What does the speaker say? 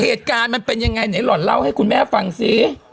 เหตุการณ์มันเป็นยังไงไหนหล่อนเล่าให้คุณแม่ฟังสิ